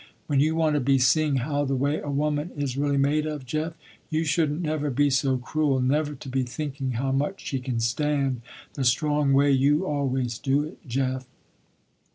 When you want to be seeing how the way a woman is really made of, Jeff, you shouldn't never be so cruel, never to be thinking how much she can stand, the strong way you always do it, Jeff."